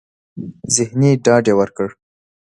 ذهني ډاډ يې ورکړ.